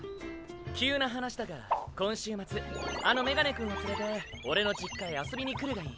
急な話だが今週末あのメガネくんを連れてオレの実家へ遊びに来るがいい。